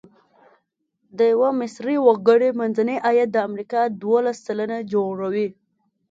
د یوه مصري وګړي منځنی عاید د امریکا دوولس سلنه جوړوي.